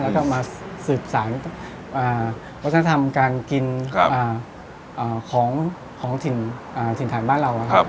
แล้วก็มาสืบสารวัฒนธรรมการกินของถิ่นฐานบ้านเรานะครับ